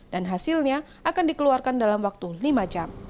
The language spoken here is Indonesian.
dan hasilnya akan dikeluarkan dalam waktu lima jam